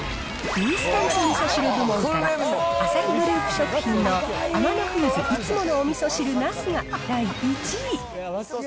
インスタントみそ汁部門から、アサヒグループ食品のアマノフーズいつものおみそ汁なすが第１位。